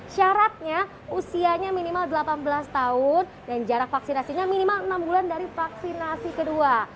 syaratnya usianya minimal delapan belas tahun dan jarak vaksinasinya minimal enam bulan dari vaksinasi kedua